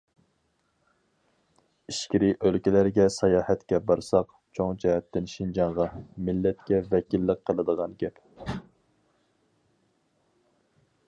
ئىچكىرى ئۆلكىلەرگە ساياھەتكە بارساق، چوڭ جەھەتتىن شىنجاڭغا، مىللەتكە ۋەكىللىك قىلىدىغان گەپ.